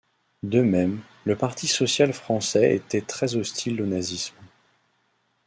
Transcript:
De même, le Parti social français était très hostile au nazisme.